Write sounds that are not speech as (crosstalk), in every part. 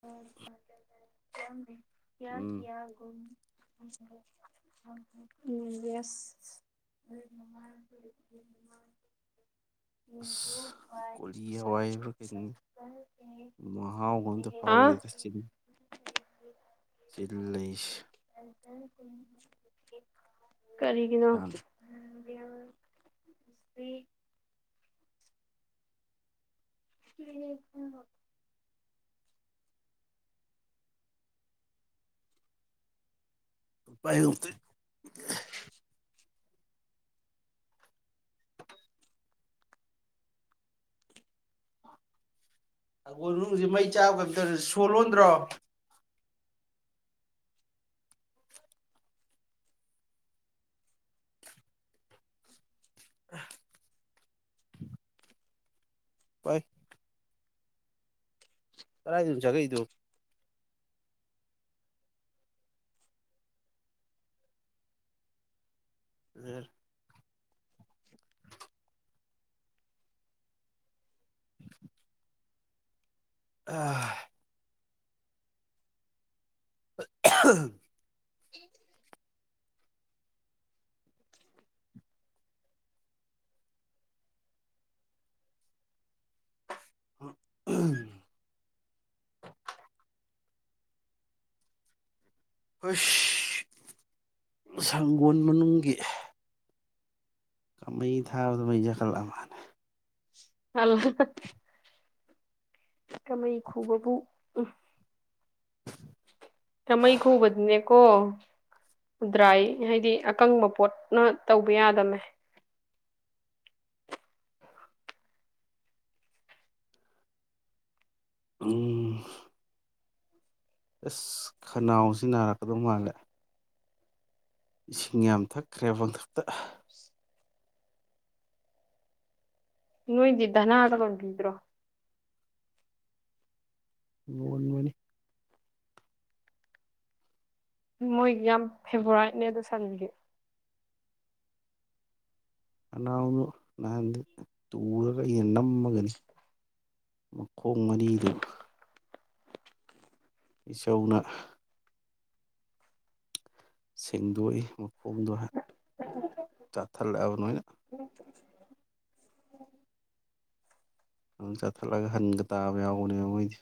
ꯍ ꯀꯌꯥ ꯎꯝ ꯀꯌꯥꯒꯨꯝ ꯎ ꯌꯦꯁ ꯍꯕꯨꯣ ꯑꯁ ꯔ ꯀꯣꯂꯤ ꯁꯥ ꯍꯋꯥꯏꯕ꯭ꯔꯥ ꯀꯩꯅꯣ ꯁꯔꯄꯜ ꯍ ꯍꯥꯎꯗꯦꯗ ꯆꯤꯟ ꯆꯤꯜ ꯂꯩ (unintelligible) ꯀꯔꯤ ꯀꯅꯣ ꯍ ꯄꯥꯏꯇ ꯑꯩꯈꯣꯏ ꯔꯨꯁꯤ ꯃꯩ ꯆꯥꯕ ꯀꯩꯝ ꯇꯧꯔꯦ ꯁꯣꯜ ꯂꯣꯟꯗ꯭ꯔꯣ ꯑ ꯍꯣꯏ ꯀꯗꯥꯥꯏꯗꯨꯅꯖꯒꯩꯗꯨ ꯎ (unintelligible) ꯑ (unintelligible) ꯑꯦ ꯎ ꯐꯁ ꯁꯪꯒꯣꯜ ꯃꯅꯨꯡꯒꯤ ꯀꯃ ꯊꯥ ꯑꯣꯗ ꯃ ꯖꯀꯂꯃꯥꯟ ꯍꯂꯣ ꯀꯃꯩ ꯈꯨꯕꯕꯨ ꯑ ꯀꯃꯩ ꯈꯨꯕꯗꯨꯅꯦꯀꯣ ꯗ꯭ꯔꯥꯏ ꯍꯥꯏꯗꯤ ꯑꯀꯪꯕ ꯄꯣꯠꯅ ꯇꯧꯕ ꯌꯥꯗꯃꯦ ꯎꯝ ꯑꯁ ꯈꯅꯥꯎꯁꯤ ꯅꯥꯔꯛꯀꯗꯧ ꯃꯥꯜꯂꯦ ꯏꯁꯤꯡ ꯌꯥꯝ ꯊꯛꯈ꯭ꯔꯦ ꯃꯪꯊꯛꯇ ꯅꯣꯏꯗꯗꯅꯥ ꯇꯒꯟꯗ꯭ꯔꯣ ꯃꯃꯅꯤ ꯃꯣꯏꯒꯤ ꯌꯥꯝ ꯐꯦꯕꯣꯔꯥꯏꯠꯅꯦ ꯑꯗꯨꯣ ꯁꯟꯒꯤ ꯑꯅ ꯅ ꯇꯨꯔ ꯀ ꯅꯝꯃꯒꯅꯤ ꯃꯈꯣꯡ ꯃꯔꯤꯗꯨ ꯏꯆꯧꯅ ꯁꯦꯡꯗꯣꯛꯏ ꯍꯨꯝꯗꯣ ꯆꯥꯊꯠꯂꯛꯑꯕ ꯅꯣꯏꯅ ꯑꯗꯨꯝ ꯆꯠꯊꯠꯂꯒ ꯍꯟꯒ ꯇꯥꯕ ꯌꯥꯎꯕꯅꯦꯕ ꯃꯣꯏꯗꯤ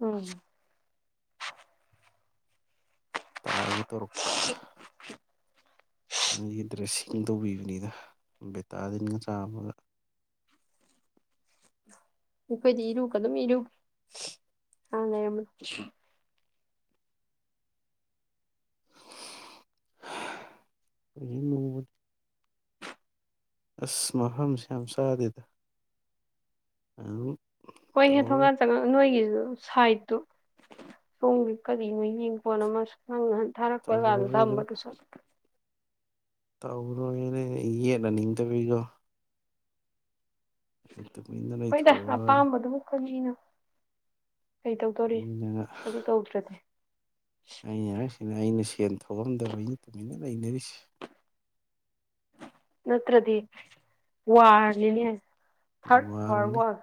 ꯎꯝ ꯇꯥꯒꯤ ꯇꯔꯄ ꯑꯩꯒꯤ ꯗ꯭ꯔꯦꯁꯤꯡ ꯇꯧꯕꯤꯕꯅꯤꯗ ꯕꯦꯇꯥꯂꯤꯟꯒ ꯆꯥꯕꯒ ꯑꯩꯈꯣꯏꯗꯤ ꯏꯔꯨꯀ ꯑꯗꯨꯝ ꯏꯔꯨ ꯑꯥ ꯂꯩꯔꯝꯃꯣ ꯑꯩ ꯑꯁꯃꯍꯝ ꯁ꯭ꯝ ꯁꯥꯗꯤꯗ ꯑ ꯍꯣꯏꯍꯦ ꯊꯣꯡꯉꯥꯟ ꯆꯪꯉꯛ ꯅꯣꯏꯒꯤꯁꯨ ꯁꯥꯏꯠꯇꯨ ꯁꯣꯝꯒꯤ ꯀꯔꯤꯅꯣ ꯌꯦꯡ ꯄꯣꯟ ꯑꯃ ꯈꯪꯍꯟ ꯊꯥꯔꯛꯄꯣꯏꯗ ꯇꯧꯔꯔꯣꯏ ꯊꯝꯕꯗꯨꯁ ꯇꯧꯔꯣꯏꯅꯦ ꯏꯅꯅꯤꯡꯗꯕꯤꯒꯣ ꯇꯣꯏꯅꯅꯣꯏ ꯊꯣꯔ ꯍꯖꯤꯅ ꯀꯩ ꯇꯧꯗꯣꯔꯤ ꯑꯗꯨ ꯇꯧꯗ꯭ꯔꯗꯤ ꯑ ꯑꯩꯅ ꯑꯩꯅ ꯁꯦꯟ ꯊꯣꯛꯑꯝꯗꯕ ꯑꯩꯅ ꯇꯨꯃꯤꯟꯅ ꯂꯩꯅꯔꯤꯁꯦ ꯅꯠꯇ꯭ꯔꯗꯤ ꯋꯥꯂꯤꯅꯦ ꯊꯔꯠ ꯋꯥꯔ ꯋꯥꯔꯅꯤ ꯋꯥꯜ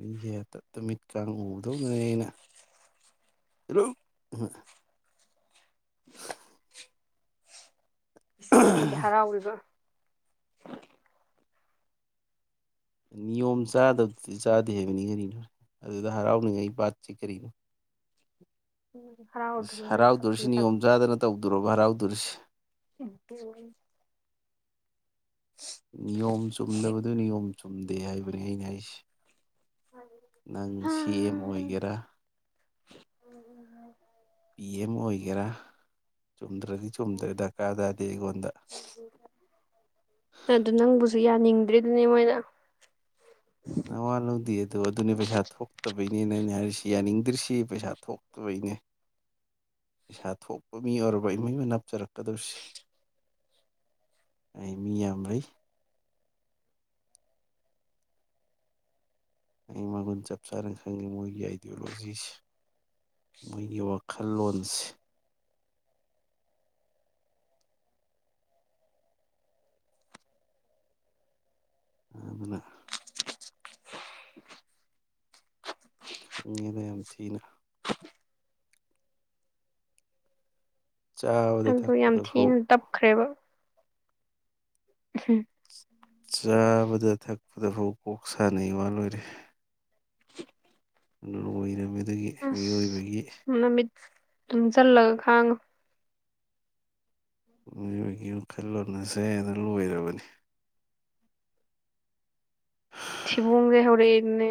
ꯃꯤꯁꯦꯇ ꯇꯃꯤꯠꯀ ꯎꯗꯧꯒꯅꯦꯩꯅ (unintelligible) ꯑꯃꯅꯗꯤ ꯍꯔꯥꯎꯔꯤꯕ ꯅꯤꯌꯣꯝ ꯆꯥꯗꯕꯗꯨꯗꯤ ꯆꯥꯗꯦ ꯍꯥꯏꯕꯅꯤ ꯀꯔꯤꯅꯣ ꯑꯗꯨꯗ ꯍꯔꯥꯎꯅꯤꯡꯉꯩ ꯄꯥꯠꯁꯤ ꯀꯔꯤꯅꯣ ꯍꯔꯥꯎꯗ꯭ꯔꯤꯉꯩ ꯍꯔꯥꯎꯗꯧꯔꯤꯁꯤ ꯁꯥꯊꯤ ꯅꯤꯌꯣꯝ ꯆꯥꯗꯅ ꯇꯧꯗꯣꯕ ꯍꯔꯥꯎ ꯑꯗꯨꯔꯁ ꯍꯗꯤ ꯅꯤꯌꯣꯝ ꯆꯨꯝꯗꯕꯗꯨ ꯅꯤꯌꯣꯝ ꯆꯨꯝ ꯇ ꯍꯥꯏꯏꯕꯅꯤꯏꯅꯦꯏꯁ ꯅꯪ ꯁꯦꯝ ꯑꯣꯏꯒꯦꯔꯥ ꯌꯦꯦꯝ ꯑꯣꯏꯒꯦꯔꯥ ꯆꯨꯝꯗ꯭ꯔꯗꯤ ꯆꯨꯝꯗ꯭ꯔꯦ ꯗꯔꯀꯥꯔ ꯇꯥꯗꯦ ꯑꯩꯉꯣꯟꯗ ꯑꯗꯨꯗꯅꯤ ꯃꯅ ꯋꯥꯂ ꯂꯧꯗꯤ ꯑꯗꯨ ꯑꯗꯨꯅ ꯄꯩꯁꯥ ꯍꯥ ꯐꯣꯛꯛꯇ ꯅꯦ ꯑꯩꯅ ꯍꯥꯏꯔꯤꯁꯤ ꯌꯥꯅꯤꯡꯗ꯭ꯔꯤꯁꯤ ꯄꯩꯁꯥ ꯊꯣꯛꯇꯕꯩꯅꯦ ꯄꯩꯁꯥ ꯊꯣꯛꯄ ꯃꯤ ꯑꯣꯏꯔꯕ ꯏꯃꯣꯏ ꯃꯅꯥ ꯞꯆꯔꯛꯀꯗꯧꯁꯤ ꯑꯩ ꯃꯤ ꯌꯥꯝꯩ ꯑꯩ ꯃꯒꯨꯟ ꯆꯞ ꯆꯥꯅ ꯈꯪꯉꯦ ꯃꯣꯏꯒꯤ ꯑꯥꯏꯗꯤꯌꯣꯂꯣꯖꯤꯁꯦ ꯃꯣꯏꯒꯤ ꯋꯥꯈꯜꯂꯣꯟꯁꯦ ꯑꯗꯨꯗꯅ ꯈꯪꯉꯦꯅ ꯌꯥꯝ ꯊꯤꯅ ꯆꯥꯕꯗ ꯑꯗꯨꯗꯣ ꯌꯥꯝ ꯊꯛꯄꯗ ꯐꯥꯎ ꯊꯤꯅ ꯇꯞꯈ꯭ꯔꯦꯕ ꯎꯝ ꯆꯥꯕꯗ ꯊꯛꯄꯗ ꯐꯥꯎ ꯀꯣꯛ ꯁꯥꯅꯩ ꯋꯥꯜꯂꯣꯏꯔꯦ (unintelligible) ꯌꯥꯝ ꯑꯣꯏꯔꯃꯤ ꯑꯗꯒꯤ ꯃꯤꯑꯣꯏꯕꯒꯤ ꯇꯝ ꯆ ꯂ ꯈꯥꯡꯉ ꯃꯤꯑꯣꯏꯒꯤ ꯋꯥꯈꯜꯂꯣꯟ ꯑꯁꯦ ꯑꯗꯨ ꯂꯣꯏꯔꯕꯅꯤ ꯁꯤꯕꯨꯡꯒꯦ ꯍꯧꯔ ꯏꯅꯤ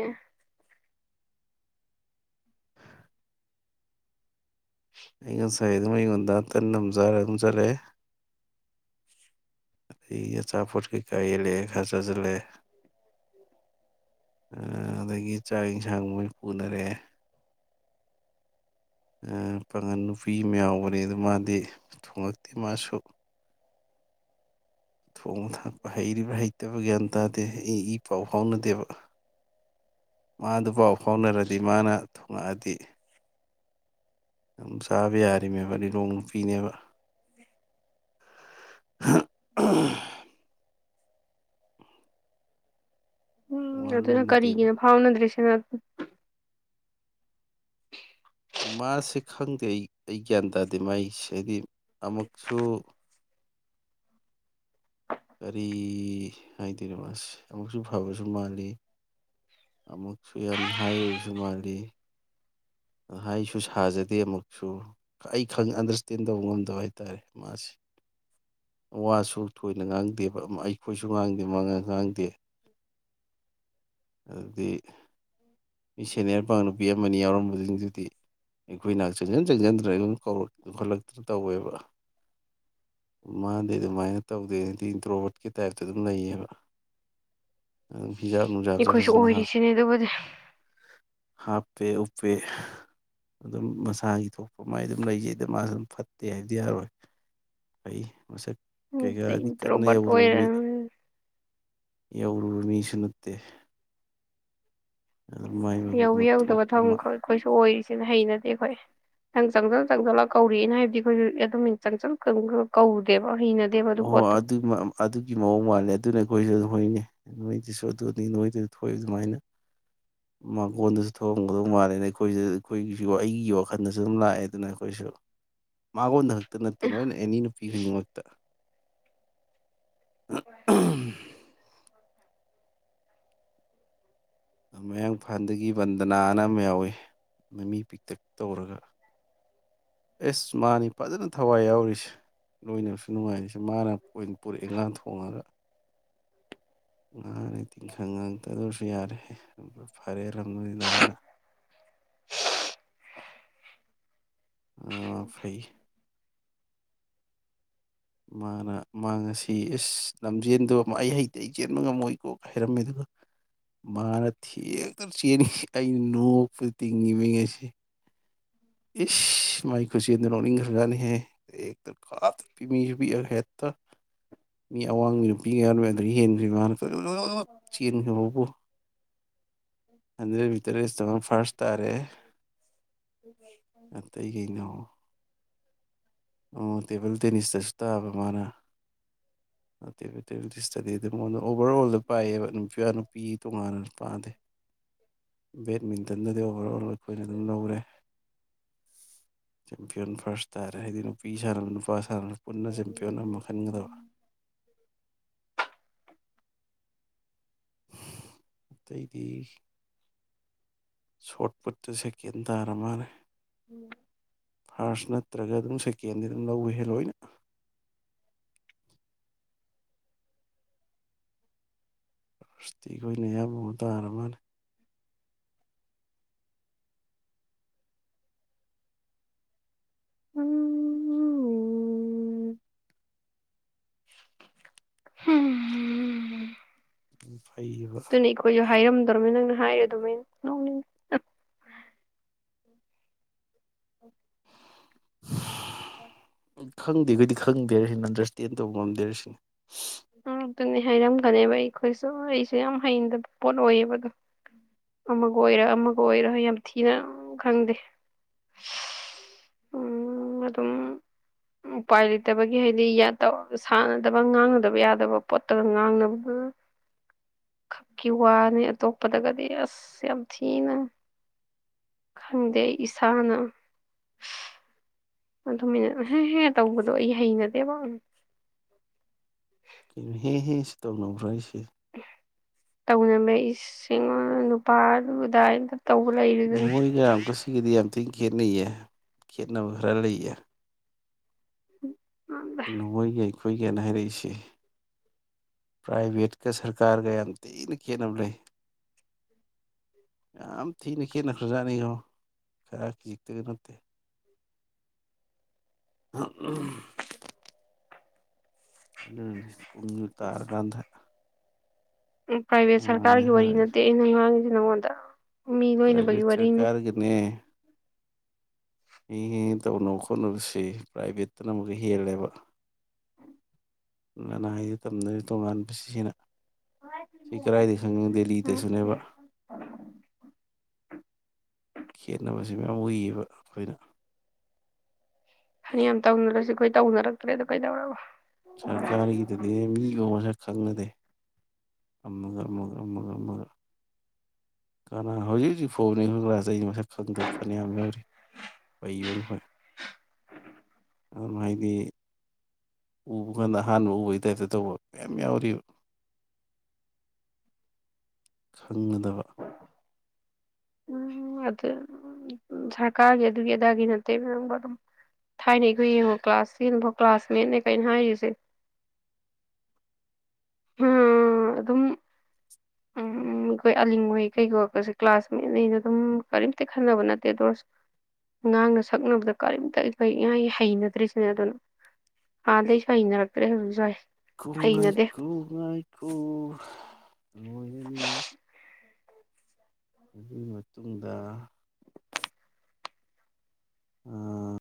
ꯑꯩ ꯉꯁꯥꯏ ꯑꯗꯨꯝ ꯑꯩꯉꯣꯟꯗ ꯇꯟꯅ ꯑꯗꯨꯝ ꯆꯥꯔ ꯑꯗꯨꯝ ꯆꯠꯂꯛꯑꯦ ꯑꯗꯒꯤ ꯑꯆꯥꯄꯣꯠ ꯀꯩꯀꯥ ꯌꯦꯦꯜꯂꯛꯑꯦ ꯈꯔ ꯆꯥꯁꯤꯜꯂꯦ ꯑꯗꯒꯤ ꯆꯥꯛ ꯌꯦꯟꯁꯥꯡ ꯃꯣꯏ ꯄꯨꯅꯔꯦ ꯄꯥꯉꯟ ꯅꯨꯄꯤ ꯑꯃ ꯌꯥꯎꯕꯅꯤ ꯑꯗꯨ ꯃꯥꯗꯤ ꯊꯣꯡꯉꯛꯇꯦ ꯃꯥꯁꯨ ꯊꯣꯡꯕ ꯊꯥꯛꯄ ꯍꯩꯔꯤꯕ꯭ꯔꯥ ꯍꯩꯇꯕ ꯒ꯭ꯌꯥꯟ ꯇꯥꯗꯦ ꯏ ꯏ ꯄꯥꯎ ꯐꯥꯎꯅꯗꯦꯕ ꯃꯥꯗ ꯄꯥꯎ ꯍꯣꯠꯅꯔꯗꯤ ꯃꯥꯅ ꯊꯣꯂꯛꯑꯗꯤ ꯑꯗꯨꯝ ꯆꯥꯕ ꯌꯥꯔꯤꯃꯦꯕꯗꯤ ꯂꯣꯡꯄꯤꯤꯅꯦꯕ ꯎꯝ ꯋꯥ ꯑꯗꯨꯅ ꯂꯣꯟꯅꯗꯦꯕ ꯀꯔꯤꯒꯤꯅꯣ ꯐꯥꯎꯅꯗ꯭ꯔꯔꯤꯁꯤꯅ ꯃꯥꯁꯦ ꯈꯪꯗꯦ ꯑꯩ ꯑꯩ ꯒ꯭ꯌꯥꯟ ꯇꯥꯗꯦ ꯃꯥꯏꯁ ꯍꯥꯏꯗꯤ ꯑꯃꯨꯛꯁꯨ ꯀꯔꯤ ꯍꯥꯏꯗꯣꯏꯅꯣ ꯃꯥꯁ ꯑꯃꯨꯛꯁꯨ ꯐꯕꯁꯨ ꯃꯥꯜꯂꯤ ꯑꯃꯨꯛꯁꯨ ꯌꯥꯝ ꯍꯥꯏ ꯑꯣꯏꯕꯁꯨ ꯃꯥꯜꯂꯤ ꯑꯩꯁꯨ ꯁꯥꯖꯗꯦ ꯑꯃꯨꯛꯁꯨ ꯑꯩ ꯈꯪ ꯑꯟꯗꯔꯁꯇꯦꯟ ꯇꯧꯕ ꯉꯝꯗꯕ ꯍꯥꯏꯇꯥꯥꯔꯦ ꯃꯥꯁꯤꯦ ꯋꯥꯁꯨ ꯊꯣꯏꯅ ꯉꯥꯡꯗꯦꯕ ꯑꯩꯈꯣꯏꯁꯨ ꯉꯥꯡꯗꯦ ꯃꯥꯅ ꯉꯥꯡꯗꯦ ꯎꯝ ꯑꯗꯨꯗꯤ ꯃꯤ ꯁꯦꯟꯅꯔꯄꯥ ꯅꯨꯄꯤ ꯑꯃꯅꯤ ꯌꯥꯎꯔꯝꯕꯗꯨ ꯑꯗꯨꯗꯤ ꯑꯩꯈꯣꯏꯅꯆ ꯆꯪꯖꯟ ꯆꯪꯁꯤꯟꯗ꯭ꯔꯦ ꯑꯗꯨꯝꯣꯠꯂꯛꯇꯅ ꯇꯧꯋꯦꯕ ꯃꯥꯗꯤ ꯑꯗꯨꯃꯥꯏꯅ ꯇꯧꯗꯦꯅꯗꯤ ꯔꯣꯕꯣꯠꯀꯤ ꯇꯥꯏꯞꯇ ꯑꯗꯨꯝ ꯂꯩꯌꯦꯕ ꯑꯗꯨꯝ ꯍꯤꯖꯥꯞ ꯅꯨꯡꯖꯥꯞꯁꯨ ꯑꯩꯈꯣꯏꯁꯨ ꯐꯖꯅ ꯍꯥꯞ ꯑꯣꯏꯔꯤꯁꯤꯅꯦ ꯑꯗꯨꯕꯨꯗꯤ ꯍꯥꯞꯄꯦ ꯎꯄꯦ ꯑꯗꯨꯝ ꯃꯁꯥꯒꯤ ꯊꯣꯛꯄ ꯃꯥꯏ ꯑꯗꯨꯝ ꯂꯩꯖꯩꯗ ꯃꯥꯁꯨ ꯑꯗꯨꯝ ꯐꯠꯇꯦ ꯍꯥꯏꯕꯗꯤ ꯌꯥꯔꯣꯏ ꯐꯩ ꯃꯁꯛ ꯀꯩꯀꯥꯗꯤ ꯎꯠꯇ ꯀꯟꯅ ꯔꯣꯕꯠ ꯑꯣꯏ ꯌꯧꯔꯨꯕ ꯃꯤ ꯌꯧꯔꯨꯕ ꯃꯤꯁꯨ ꯅꯠꯇꯦ ꯑꯗꯨꯝ ꯃꯥꯏ ꯃꯒꯨꯞ ꯌꯧꯕꯤ ꯃ ꯌꯧꯗꯕ ꯊꯣꯛꯄ ꯑꯃ ꯊꯕꯛ ꯑꯩꯈꯣꯏꯁꯨ ꯑꯣꯏ ꯁꯤꯅ ꯍꯩꯅꯗꯤꯦ ꯑꯩꯈꯣꯏ ꯅꯊꯪ ꯆꯪꯁꯤꯜ ꯆꯪꯁꯤꯜꯂ ꯀꯧꯔꯛꯑꯦꯅ ꯍꯥꯏꯕꯗꯤ ꯑꯩꯈꯣꯏꯁꯨ ꯑꯗꯨꯝ ꯆꯪꯁꯤꯜ ꯀꯧꯔꯨꯗꯦꯕ ꯑꯣ ꯍꯣꯏ ꯑꯗꯨ ꯑꯗꯨꯒꯤ ꯃꯑꯣꯡ ꯃꯥꯜꯂꯦ ꯑꯗꯨꯅ ꯑꯩꯈꯣꯏꯁꯨ ꯑꯗꯨꯝ ꯍꯣꯏꯅꯦ ꯅꯣꯏꯗꯨꯁꯨ ꯑꯗꯨꯅꯤ ꯅꯣꯏꯗꯨꯁꯨ ꯊꯣꯛꯏ ꯑꯗꯨꯃꯥꯏꯅ ꯃꯥꯡꯒꯣꯟꯗꯨꯁꯨ ꯊꯣꯛꯑꯝꯒꯗꯧ ꯃꯥꯜꯂꯦꯅ ꯑꯩꯈꯣꯏꯗ ꯑꯩꯈꯣꯏꯒꯤꯁꯨ ꯑꯩꯒꯤ ꯋꯥꯈꯜꯗꯁꯨ ꯑꯗꯨꯝ ꯂꯥꯛꯑꯦ ꯑꯗꯨꯅ ꯑꯩꯈꯣꯏꯁꯨ ꯃꯒꯣꯟꯗ ꯅꯣꯏ ꯑꯦꯅꯤ ꯅꯨ ꯐꯄꯤ ꯈꯨꯗꯤꯡꯃꯛꯇ ꯎ ꯃꯌꯥꯡꯐꯥꯟꯗꯒꯤ ꯕꯟꯗꯅꯥ ꯑꯅ ꯑꯃ ꯌꯥꯎꯏꯤ ꯃꯃꯤ ꯄꯤꯛꯇꯛ ꯇꯧꯔꯒ ꯑꯦꯁ ꯃꯥꯅꯤ ꯐꯖꯅ ꯊꯋꯥꯏ ꯌꯥꯎꯔꯤꯁꯦ ꯂꯣꯏꯅꯕꯁꯨ ꯅꯨꯡꯉꯥꯏꯔꯤꯁꯦ ꯃꯥꯅ ꯀꯣꯏꯟ ꯄꯨꯔꯛ ꯏꯟꯒꯥꯡ ꯊꯣꯡꯉꯒ ꯉꯥꯅꯤ ꯇꯤꯡꯈꯪ ꯉꯛꯇꯗꯔꯁꯨ ꯌꯥꯔꯦ ꯐꯔꯦꯔꯝꯅꯤꯗꯅ ꯑ ꯐꯩ ꯃꯥꯅ ꯃꯥ ꯉꯁꯤ ꯏꯁꯁ ꯅꯝꯖꯦꯟꯗꯕ ꯑꯃ ꯑꯩ ꯍꯩꯇ ꯑꯩ ꯆꯦꯟꯕ ꯉꯝꯃꯣꯏꯀꯣꯛ ꯍꯥꯏꯔꯝꯃꯦ ꯑꯗꯨꯒ ꯃꯥꯅ ꯊꯦꯛꯇ ꯆꯦꯟꯉ ꯑꯩꯅ ꯅꯣꯛꯄꯗ ꯇꯤꯡꯉꯤꯕ ꯉꯩꯁꯤꯦ ꯏꯁ ꯃꯥꯏ ꯈꯨꯁꯤ ꯔꯣꯅꯤ ꯒꯥꯦ ꯍꯥꯏ ꯀꯥꯇ ꯄꯃꯤ ꯃꯤ ꯑꯋꯥꯡꯕ ꯅꯨꯄꯤ ꯌꯥꯔꯣꯏ ꯑꯗꯨ ꯍꯦꯟꯗ꯭ꯔꯤꯕꯅ ꯆꯕꯣ ꯍꯟꯗ꯭ꯔꯦꯠ ꯃꯤꯇꯔꯁꯤꯇ ꯑꯃ ꯐꯥꯔꯁ ꯇꯥꯔꯦ ꯑꯇꯩ ꯀꯩꯅꯣ ꯑꯣ ꯇꯦꯕꯜ ꯇꯦꯅꯤꯁꯇꯁꯨ ꯇꯥꯕ ꯃꯥꯅ ꯑꯇꯩꯠꯇꯔꯗꯤꯁꯗꯤ ꯑꯗꯨ ꯃꯉꯣꯟꯗ ꯑꯣꯚꯔ ꯑꯣꯜꯗ ꯄꯥꯏꯌꯦꯕ ꯅꯨꯄꯤ ꯅꯨꯄꯤ ꯇꯣꯉꯥꯟꯅ ꯄꯥꯟꯗꯦ ꯕꯦꯠꯃꯤꯟꯇꯟꯗꯗꯤ ꯑꯣꯚꯔ ꯑꯣꯜ ꯑꯩꯈꯣꯏꯅ ꯑꯗꯨꯝ ꯂꯧꯔꯦ ꯆꯦꯝꯄꯤꯌꯟ ꯐꯥꯔꯁ ꯇꯥꯔꯦ ꯍꯥꯏꯗꯤ ꯅꯨꯄꯤ ꯁꯥꯟꯅꯕ ꯅꯨꯄꯥ ꯍꯥꯟꯅ ꯄꯨꯟꯅ ꯆꯦꯝꯄꯤꯌꯟ ꯑꯃ ꯈꯟꯒꯗꯕ (unintelligible) ꯑꯇꯩꯗꯤ ꯁꯣꯔꯠꯄꯨꯠꯇ ꯁꯦꯀꯦꯟ ꯇꯥꯔ ꯃꯥꯜꯂꯦ ꯎꯝ ꯐꯥꯔꯁ ꯅꯠꯇ꯭ꯔꯒ ꯑꯗꯨꯝ ꯁꯦꯀꯦꯟꯗꯤ ꯑꯗꯨꯝ ꯂꯧꯋꯍꯦ ꯂꯣꯏꯅ ꯁꯁꯇꯤꯈꯅꯦ ꯌꯥꯝꯕꯨꯗꯔꯃꯅꯤ ꯎꯝ ꯍ ꯎꯝ ꯐꯌꯦꯕ ꯍꯥꯏꯔꯝꯗꯧ꯭ꯔꯅꯤ ꯅꯪꯅ ꯍꯥꯏꯔꯦ ꯑꯗꯨꯃꯥꯏ ꯅ ꯑꯣꯦ ꯎꯣꯏ ꯈꯪꯗꯦ ꯑꯩꯈꯣꯏꯗꯤ ꯈꯪꯗꯦꯔꯤꯁꯤꯅ ꯑꯟꯗꯔꯁꯇꯦꯟ ꯇꯧꯕ ꯉꯝꯗꯦꯔꯁꯤꯅ ꯃꯔꯛꯇꯨꯅꯤ ꯍꯥꯏꯔꯝꯒꯅꯦꯕ ꯑꯩꯈꯣꯏꯁꯨ ꯑꯩꯁꯨ ꯌꯥꯝ ꯍꯩꯅꯗꯕ ꯄꯣꯠ ꯑꯣꯏꯌꯦꯕ ꯑꯗꯣ ꯑꯃꯒ ꯑꯣꯏꯔꯣ ꯑꯃꯒ ꯑꯣꯏꯔꯣ ꯌꯥꯝ ꯊꯤꯅ ꯈꯪꯗꯦ ꯎꯝ ꯑꯗꯨꯝ ꯎꯄꯥꯏ ꯂꯩꯇꯕꯒꯤ ꯍꯥꯏꯗꯤ ꯌꯥꯠꯇ ꯁꯥꯟꯅꯗꯕ ꯉꯥꯡ ꯌꯥꯗꯕ ꯌꯥꯗꯕ ꯄꯣꯠꯇꯒ ꯉꯥꯡꯅꯕ ꯈꯛꯀꯤ ꯋꯥꯅꯤ ꯑꯇꯣꯞꯄꯗꯒꯗꯤ ꯑꯁ ꯌꯥꯝ ꯊꯤꯅ ꯈꯪꯗꯦ ꯏꯁꯥꯅ ꯑꯗꯨꯃꯤꯅꯠꯦ ꯇꯧꯕꯗꯣ ꯑꯩ ꯍꯩꯅꯗꯦꯕꯪ ꯍ ꯍ ꯇꯥꯎꯟ ꯑꯣ ꯐ꯭ꯔ ꯏꯁꯤ ꯇꯧꯃꯦ ꯏꯁꯤꯡ ꯅꯨꯄꯥ ꯎꯗꯥꯏ ꯅꯣꯡꯣꯏꯒ ꯑꯀ ꯁꯤꯒꯤꯗꯤ ꯑꯗꯨꯇ ꯈꯦꯠꯅꯩꯌꯦ ꯈꯦꯠꯅ ꯍꯔꯥ ꯂꯩꯦ ꯎꯝ ꯑꯗꯨ ꯑꯣꯏ ꯌꯥꯏ ꯑꯩꯈꯣꯏꯒꯤꯅ ꯍꯥꯏꯔꯛꯏꯁꯤ ꯄ꯭ꯔꯥꯏꯚꯦꯠꯀ ꯁꯔꯀꯥꯔꯒ ꯌꯥꯝ ꯊꯤꯅ ꯈꯦꯠꯅꯕ ꯂꯩ ꯌꯥꯝ ꯊꯤꯅ ꯈꯦꯠꯅꯈ꯭ꯔꯖꯥꯠꯅꯤ ꯏꯉꯣ ꯈꯔ ꯈꯤꯖꯤꯛꯇꯒꯤ ꯅꯠꯇꯦ (unintelligible) ꯑꯗꯨꯗꯦ ꯄꯨꯡ ꯇꯔꯀꯥꯟꯗ ꯎ ꯄ꯭ꯔꯥꯏꯚꯦꯠ ꯁꯔꯀꯥꯔꯒꯤ ꯋꯥꯔꯤ ꯍꯥꯏꯔꯛꯏ ꯅꯠꯇꯦ ꯑꯩꯅꯥꯡꯉꯁꯤ ꯍꯣꯗ ꯄ꯭ꯔꯥꯏꯚꯦꯠ ꯁꯔꯀꯥꯔꯒꯤꯅꯦ ꯍꯤ ꯍꯤ ꯇꯧꯅꯕ ꯈꯣꯠꯅꯕꯁꯤ ꯄ꯭ꯔꯥꯏꯚꯦꯠꯇꯅ ꯑꯃꯨꯛ ꯍꯦꯜꯂꯦꯕ ꯅꯅꯥꯏꯗꯤ ꯇꯝꯅꯔꯤ ꯇꯣꯉꯥꯟꯕꯁꯤ ꯍꯟꯅ ꯁꯤ ꯀꯗꯥꯏꯗ ꯁꯪꯉꯣ ꯎꯝ ꯗꯦꯜꯂꯤꯗꯁꯨꯅꯦꯕ ꯈꯦꯠꯅꯕ ꯁꯤ ꯃꯌꯥꯝ ꯎꯨꯏꯌꯦꯕ ꯑꯩꯈꯣꯏꯅ ꯐꯅꯌꯥꯝ ꯇꯧꯅꯔꯁꯤ ꯑꯩꯈꯣꯏ ꯇꯧꯅꯔꯛꯇ꯭ꯔꯦꯗꯣ ꯀꯩꯗꯧꯔꯕ ꯁꯔꯀꯥꯔꯒꯤꯗꯗꯤ ꯃꯤꯒꯨꯝ ꯃꯁꯛ ꯈꯪꯅꯗꯦ ꯑꯃꯒ ꯃꯒ ꯃꯒ ꯃꯒ ꯀꯅꯥ ꯍꯧꯖꯤꯛ ꯍꯧꯖꯤꯛ ꯐꯥꯎꯕꯅꯤ ꯍꯧꯂ꯭ꯔꯥꯁꯦ ꯑꯩ ꯃꯁꯛ ꯈꯪꯗꯕ ꯐꯅꯌꯥꯝ ꯌꯥꯎꯔꯤ ꯏꯤꯕ ꯉꯈꯣꯏ ꯑꯗꯨꯝ ꯍꯥꯏꯗꯤ ꯎꯕ ꯀꯥꯟꯗ ꯑꯍꯥꯟꯕ ꯎꯕꯩ ꯇꯥꯏꯞꯇ ꯇꯧꯕ ꯃꯌꯥꯝ ꯌꯥꯎꯔꯤꯕ ꯈꯪꯅꯗꯕ ꯎ ꯑꯗꯨ ꯁꯔꯀꯥꯔꯒꯤ ꯑꯗꯨꯒꯤ ꯑꯗꯥꯒꯤ ꯅꯠꯇꯦ ꯅ ꯅꯪꯕ ꯑꯗꯨꯝ ꯊꯥꯏꯅ ꯑꯩꯈꯣꯏ ꯌꯦꯡꯉꯣ ꯀ꯭ꯂꯥꯁ ꯇꯦꯟꯐꯥꯎ ꯀ꯭ꯂꯥꯁꯃꯦꯠꯅꯦ ꯀꯩꯅ ꯍꯥꯏꯔꯤꯁꯦ ꯑꯗꯨꯝ ꯎꯝ ꯑꯩꯈꯣꯏ ꯑꯂꯤꯡꯉꯩ ꯀꯩꯀꯣꯄꯁꯦ ꯀ꯭ꯂꯥꯁꯃꯦꯠꯅꯦꯩꯅ ꯑꯗꯨꯝ ꯀꯔꯤꯝꯇ ꯈꯟꯅꯕ ꯅꯠꯇꯦ ꯗꯣꯔꯁ ꯉꯥꯡꯅ ꯁꯛꯅꯕꯗ ꯀꯔꯤꯝꯇ ꯑꯩꯈꯣꯏ ꯉꯥꯏ ꯍꯩꯅꯗ꯭ꯔꯤꯁꯤꯅꯦ ꯑꯗꯨꯅ ꯑꯥꯗꯩꯁꯨ ꯍꯩꯅꯔꯛꯇ꯭ꯔꯦ ꯍꯧꯖꯤꯛꯁꯨ ꯍꯥꯏ ꯀꯉꯥꯏ ꯈꯨꯅꯨꯡ ꯉꯥꯏ ꯀ ꯑꯗꯨꯣꯏ ꯑꯗꯨꯒꯤ ꯃꯇꯨꯡꯗ ꯎ